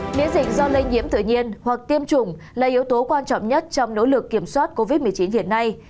miễn dịch do lây nhiễm tự nhiên hoặc tiêm chủng là yếu tố quan trọng nhất trong nỗ lực kiểm soát covid một mươi chín hiện nay